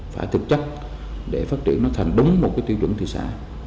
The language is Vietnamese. phải thực chất để phát triển nó thành đúng một cái tiêu chuẩn thị xã